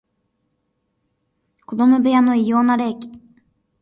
子供部屋の異様な冷気